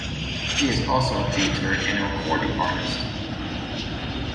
He is also a painter and a recording artist.